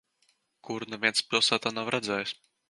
Kuru neviens pilsētā nav redzējis.